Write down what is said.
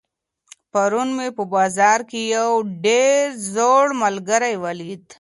پرون مي په بازار کي یو ډېر زوړ ملګری ولیدی.